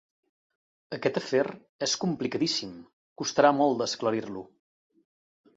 Aquest afer és complicadíssim: costarà molt d'esclarir-lo.